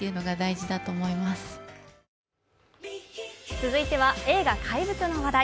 続いては映画「怪物」の話題。